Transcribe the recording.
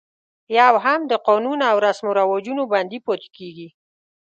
یو هم د قانون او رسم و رواجونو بندي پاتې کېږي.